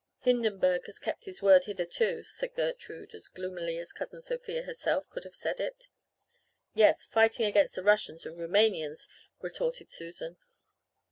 "'Hindenburg has kept his word hitherto,' said Gertrude, as gloomily as Cousin Sophia herself could have said it. "'Yes, fighting against the Russians and Rumanians,' retorted Susan.